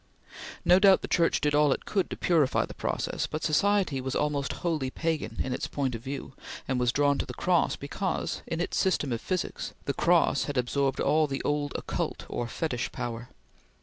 No doubt the Church did all it could to purify the process, but society was almost wholly pagan in its point of view, and was drawn to the Cross because, in its system of physics, the Cross had absorbed all the old occult or fetish power.